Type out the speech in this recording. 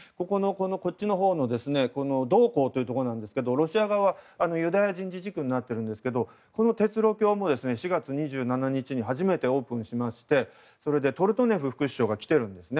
こちらのほうなんですがロシア側はユダヤ人自治区になっているんですけどその鉄路橋も４月２７日に初めてオープンしましてトルトネフ副首相が来ています。